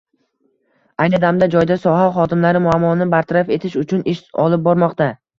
Ayni damda joyda soha xodimlari muammoni bartaraf etish uchun ish olib bormoqda